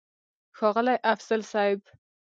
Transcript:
ښاغلی افضل صيب!!